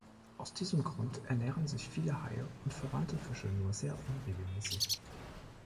Aus diesem Grund ernähren sich viele Haie und verwandte Fische nur sehr unregelmäßig.